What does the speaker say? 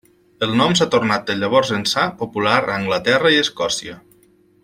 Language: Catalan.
El nom s'ha tornat de llavors ençà popular a Anglaterra i Escòcia.